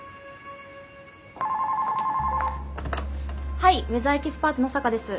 ☎はいウェザーエキスパーツ野坂です。